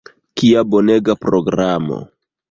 Kia bonega programo!